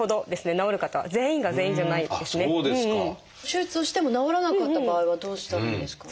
手術をしても治らなかった場合はどうしたらいいんですか？